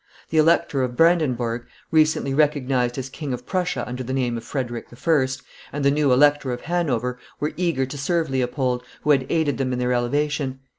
The Elector of Brandenburg, recently recognized as King of Prussia under the name of Frederic I., and the new Elector of Hanover were eager to serve Leopold, who had aided them in their elevation.